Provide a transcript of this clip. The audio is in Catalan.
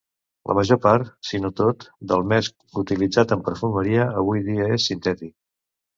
La major part, si no tot, del mesc utilitzat en perfumeria avui dia és sintètic.